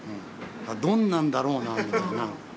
どんなんだろうなみたいな。